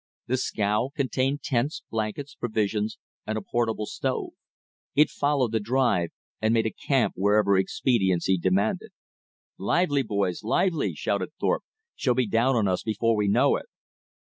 The scow contained tents, blankets, provisions, and a portable stove. It followed the drive, and made a camp wherever expediency demanded. "Lively, boys, lively!" shouted Thorpe. "She'll be down on us before we know it!"